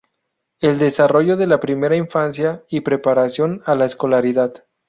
El desarrollo de la primera infancia y preparación a la escolaridad.